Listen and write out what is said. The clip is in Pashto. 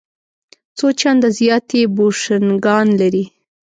څو چنده زیات یې بوشونګان لري.